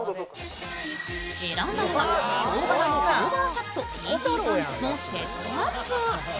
選んだのはヒョウ柄のオーバーシャツとイージーパンツのセットアップ。